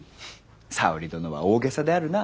沙織殿は大げさであるな。